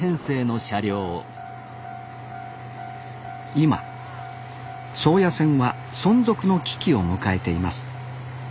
今宗谷線は存続の危機を迎えています。